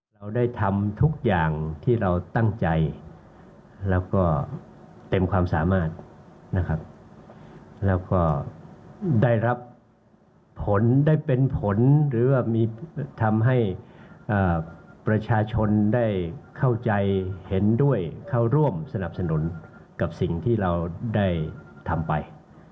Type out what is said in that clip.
เราได้ทำทุกอย่างที่เราตั้งใจแล้วก็เต็มความสามารถนะครับแล้วก็ได้รับผลได้เป็นผลหรือว่ามีทำให้ประชาชนได้เข้าใจเห็นด้วยเข้าร่วมสนับสนุนกับสิ่งที่เราได้ทำไป